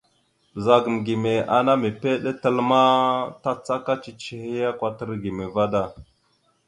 Ɓəzagam gime ya ana mèpiɗe tal ma, tàcaka cicihe ya kwatar gime vaɗ da.